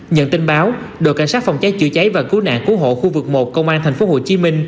nhận tin báo đội cảnh sát phòng cháy chữa cháy và cứu nạn cứu hộ khu vực một công an tp hcm